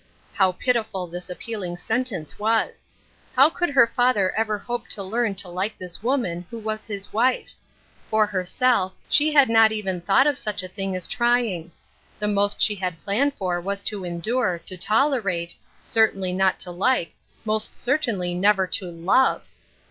How pitiful this appealing sen tence was I How could her father ever hope to learn to like this woman, who was his wife ? Fox 4:8 Ruth Erskine's Crosses, herself, she had not even thought of such a thing aji trying. The most she had planned for was to endure, to tolerate — certainly not to like, most certainly never to love